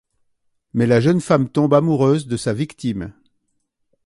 Mais la jeune femme tombe amoureuse de sa victime...